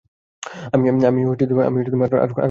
আমি আর কতদিন অপেক্ষা করবো?